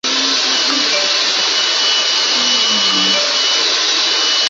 母梁氏。